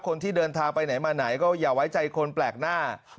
คนที่เดินทางไปไหนมาไหนก็อย่าไว้ใจคนแปลกหน้า